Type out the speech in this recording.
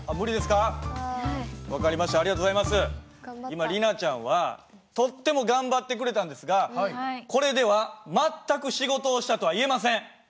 今里奈ちゃんはとっても頑張ってくれたんですがこれでは全く仕事をしたとは言えません。